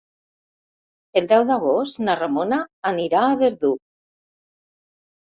El deu d'agost na Ramona anirà a Verdú.